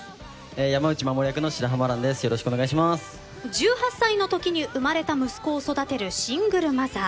１８歳のときに生まれた息子を育てるシングルマザー。